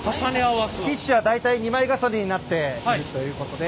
ティッシュは大体２枚重ねになっているということで。